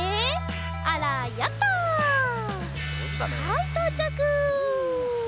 はいとうちゃく！